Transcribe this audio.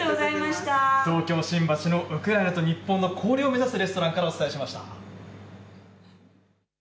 東京・新橋のウクライナと日本の交流を目指すレストランからお伝えしました。